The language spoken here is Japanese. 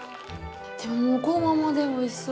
でももうこのままでおいしそう。